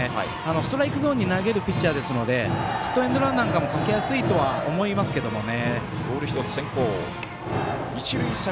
ストライクゾーンに投げるピッチャーなのでヒットエンドランなんかもかけやすいとは思いますけどね。